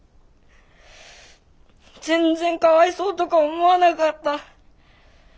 全然かわいそうとか思わなかった。